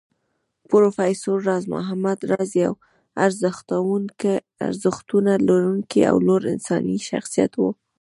پروفېسر راز محمد راز يو ارزښتونه لرونکی او لوړ انساني شخصيت و